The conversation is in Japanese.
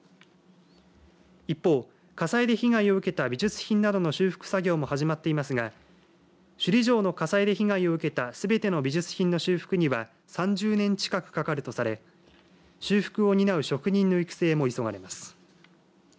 一方、火災で被害を受けた美術品などの修復作業も始まっていますが首里城の火災で被害を受けたすべての美術品の修復には３０年近くかかるとされ修復を担う職人の育成も急がれます。